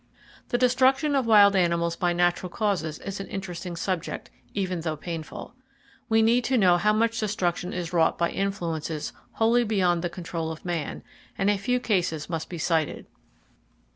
The destruction of wild animals by natural causes is an interesting subject, even though painful. We need to know how much destruction is wrought by influences wholly beyond the control of man, and a few cases must be cited.